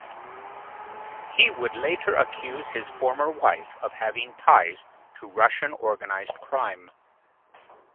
He would later accuse his former wife of having ties to Russian organized crime.